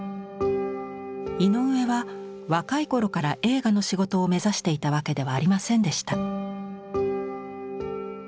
井上は若い頃から映画の仕事を目指していたわけではありませんでした。